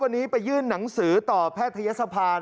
วันนี้ไปยื่นหนังสือต่อแพทยศภา